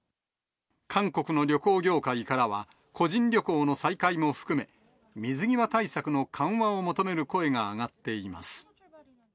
韓国の旅行業界からは、個人旅行の再開も含め、水際対策の緩和を求める声が上がっています。